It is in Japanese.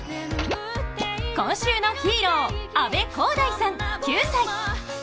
今週のヒーロー、阿部航大さん９歳。